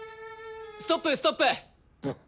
ストップストップ！